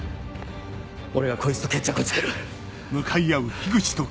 俺がこいつと決着をつける。